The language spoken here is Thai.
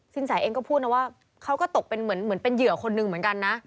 สินแสเองก็พูดนะว่าเขาก็ตกเป็นเหมือนเป็นเหยื่อคนหนึ่งเหมือนกันนะ